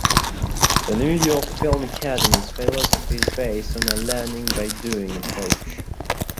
The New York Film Academy's philosophy is based on a "learning by doing" approach.